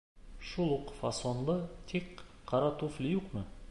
Шул уҡ фасонлы, тик ҡара туфли юҡмы?